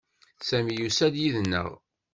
Sami yusa-d yid-neɣ.